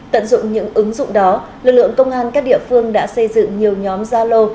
tận dụng những ứng dụng đó lực lượng công an các địa phương đã xây dựng nhiều nhóm gia lô